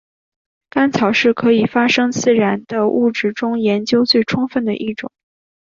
干草是可以发生自燃的物质中研究最充分的一种。